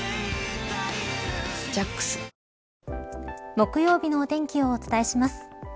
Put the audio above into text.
木曜日の天気をお伝えします。